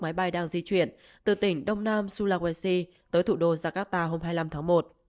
hãng hàng di chuyển từ tỉnh đông nam sulawesi tới thủ đô jakarta hôm hai mươi năm tháng một